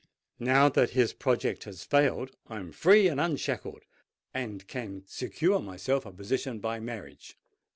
Now that his project has failed, I am free and unshackled, and can secure myself a position by marriage.